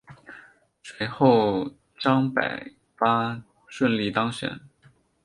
随后张百发顺利当选。